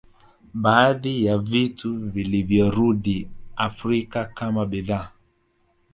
Baadhi ya vitu vilivyorudi Afrika kama bidhaa